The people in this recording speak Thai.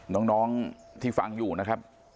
น้องที่ฟังอยู่นะครับ